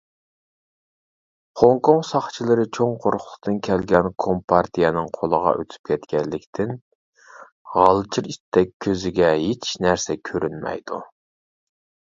خوڭكوڭ ساقچىلىرى چوڭ قۇرۇقلۇقتىن كەلگەن كومپارتىيەنىڭ قولىغا ئۆتۈپ كەتكەنلىكتىن، غالجىر ئىتتەك كۆزىگە ھېچ نەرسە كۆرۈنمەيدۇ.